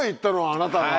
あなたが。